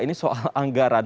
ini soal anggaran